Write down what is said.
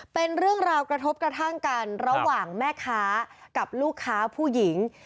เป็นเรื่องราวกระทบกระทั่งกันระหว่างแม่ค้ากับลูกค้าผู้หญิง